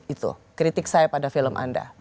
itu kritik saya pada film anda